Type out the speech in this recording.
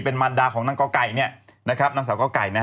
เป็นมันดาของนางสาวก๊อก่าย